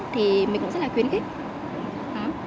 thì mình cũng rất là khuyến khích